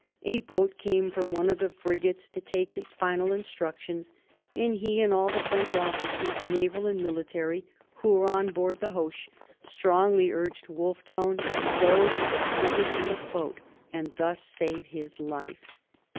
A boat came from one of the frigates to take his final instructions, and he and all the French officers, naval and military, who were on board the "Hoche" strongly urged Wolfe Tone to go to the frigate in the boat and thus save his life.